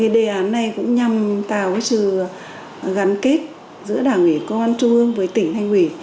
đề án này cũng nhằm tạo sự gắn kết giữa đảng ủy công an trung ương với tỉnh thành ủy